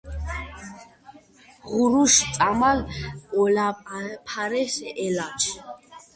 ღურუშ წამალ ოლაფარეს ელაჩ